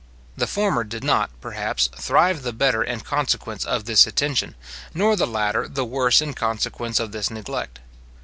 The former did not, perhaps, thrive the better in consequence of this attention, nor the latter the worse in consequence of this neglect.